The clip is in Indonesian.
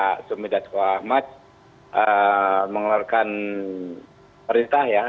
pak ketua medaswa ahmad mengeluarkan cerita ya